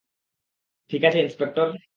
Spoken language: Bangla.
ঠিক আছে, ইন্সপেক্টর?